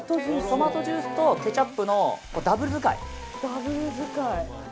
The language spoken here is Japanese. トマトジュースとケチャップのダブル使い。